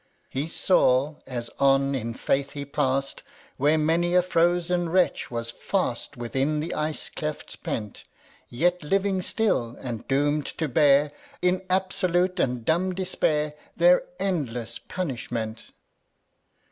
He saw, as on in faith he past. Where many a frozen wretch was fast Within the ice clefts pent. Yet living still, and doom'd to bear, In absolute and dumb despair, Their endless punishment.